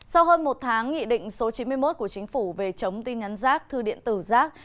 sau hơn một tháng nghị định số chín mươi một của chính phủ về chống tin nhắn rác thư điện tử rác